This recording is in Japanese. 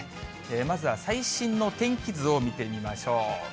まずは最新の天気図を見てみましょう。